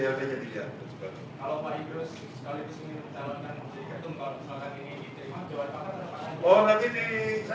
kalau pak ibrus sekaligus ingin menjalankan ketumbar misalkan ingin menjual parah apa akan